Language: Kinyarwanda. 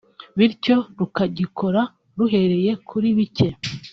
bityo rukagikora ruhereye kuri bike